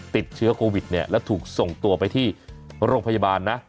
ติดเชื้อโควิดเนี่ยแล้วถูกส่งตัวไปที่โรงพยาบาลนะ